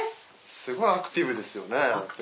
すごいアクティブですよね。